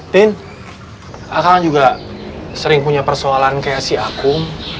tin aku juga sering punya persoalan kayak si aku